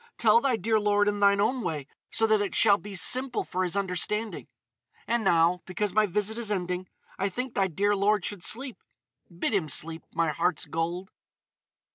Tell thy dear lord in thine own way, so that it shall be simple for his understanding.... And now—because my visit is ending—I think thy dear lord should sleep. Bid him sleep, my heart's gold!"